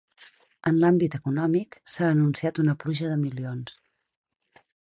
En l’àmbit econòmic, s’ha anunciat una pluja de milions.